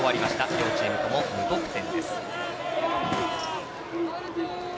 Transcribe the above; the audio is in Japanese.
両チームとも無得点。